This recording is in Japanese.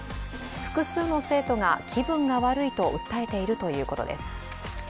複数の生徒が、気分が悪いと訴えているということです。